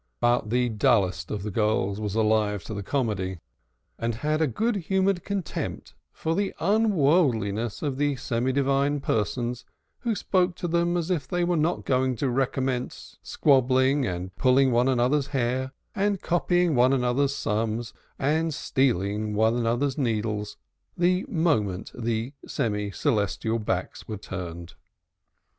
But the dullest of the girls was alive to the comedy, and had a good humored contempt for the unworldliness of the semi divine persons who spoke to them as if they were not going to recommence squabbling, and pulling one another's hair, and copying one another's sums, and stealing one another's needles, the moment the semi celestial backs were turned.